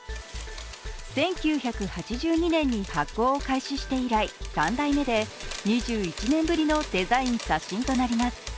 １９８２年に発行を開始して以来、３代目で２１年ぶりのデザイン刷新となります。